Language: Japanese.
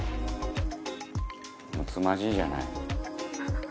むつまじいじゃない。